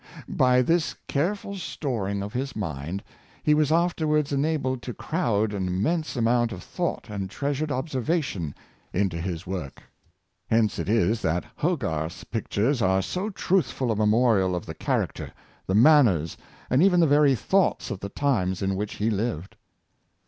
By this careful storing of his mind, he was afterwards enabled to crowd an immense amount of thought and treasured observation into his works. Hence it is that Hogarth's pictures are so truthful a memorial of the character, the manners, and even the very thoughts of the times in which he lived.